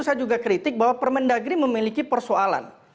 saya juga kritik bahwa permendagri memiliki persoalan